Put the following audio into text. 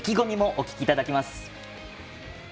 お聞きいただきます。